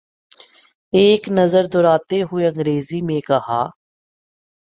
ایک نظر دوڑاتے ہوئے انگریزی میں کہا۔